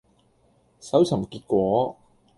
搜尋結果